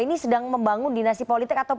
ini sedang membangun dinasti politik atau